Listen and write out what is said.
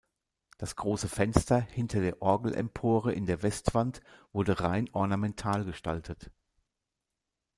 Das große Fenster hinter der Orgelempore in der Westwand wurde rein ornamental gestaltet.